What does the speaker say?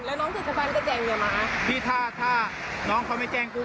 แล้วน้องเกือบเหยียบน้องก็เลยหกรถจับมาดู